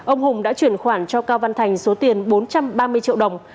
ông hùng đã chuyển khoản cho cao văn thành số tiền bốn trăm ba mươi triệu đồng